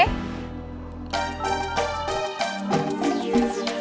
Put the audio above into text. saung itu punya kita